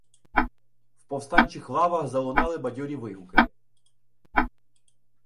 В повстанчих лавах залунали бадьорі вигуки.